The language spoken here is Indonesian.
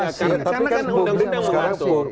karena kan undang undang mengatur